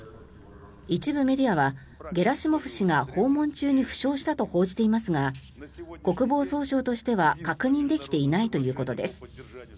一部メディアは、ゲラシモフ氏が訪問中に負傷したと報じていますが国防総省としては確認できていないということです。